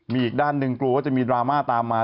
มีอีกด้านหนึ่งกลัวว่าจะมีดราม่าตามมา